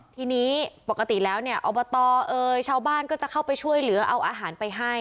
ทีนี้ปกติแล้วเนี่ยอบตเอ่ยชาวบ้านก็จะเข้าไปช่วยเหลือเอาอาหารไปให้